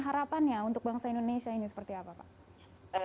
harapannya untuk bangsa indonesia ini seperti apa pak